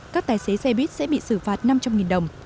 các tài xế xe buýt sẽ bị xử phạt năm trăm linh đồng